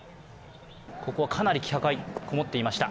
ここはかなり気迫がこもっていました。